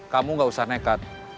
kamu enggak usah nekat